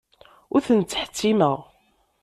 Ur ten-ttḥettimeɣ.